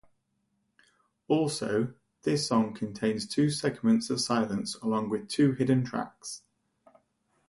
Also, this song contains two segments of silence along with two hidden tracks.